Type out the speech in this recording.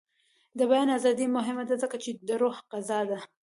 د بیان ازادي مهمه ده ځکه چې د روح غذا ده.